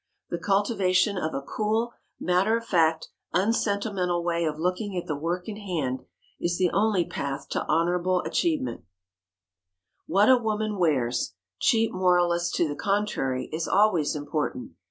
The cultivation of a cool, matter of fact, unsentimental way of looking at the work in hand, is the only path to honorable achievement. [Sidenote: GOOD DRESSING IMPORTANT] What a woman wears, cheap moralists to the contrary, is always important.